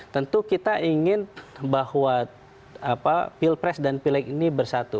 tentu kita ingin bahwa pilpres dan pileg ini bersatu